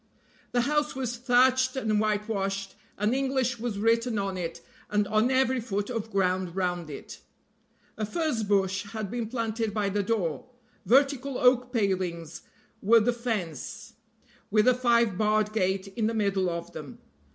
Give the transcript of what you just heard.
The house was thatched and whitewashed, and English was written on it and on every foot of ground round it. A furzebush had been planted by the door. Vertical oak palings were the fence, with a five barred gate in the middle of them.